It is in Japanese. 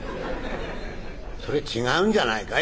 「それ違うんじゃないかい？